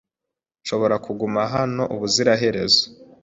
Nshobora kuguma hano ubuziraherezo